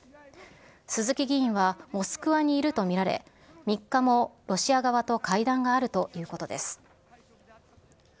鈴木議員はモスクワにいると見られ、３日もロシア側と会談があるということです。